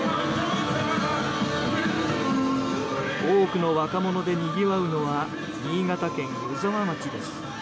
多くの若者でにぎわうのは新潟県湯沢町です。